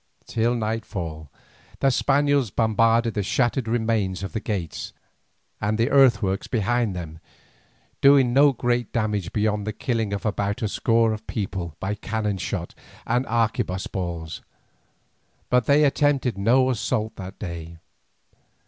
Till nightfall the Spaniards bombarded the shattered remains of the gates and the earthworks behind them, doing no great damage beyond the killing of about a score of people by cannon shot and arquebuss balls. But they attempted no assault that day.